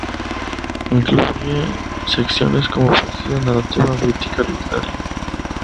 Incluye secciones como poesía, narrativa o crítica literaria.